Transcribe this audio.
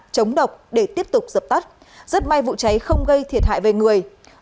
chống độc để tiếp tục dập tắt rất may vụ cháy không gây thiệt hại về người